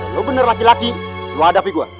lo bener laki laki lu hadapi gue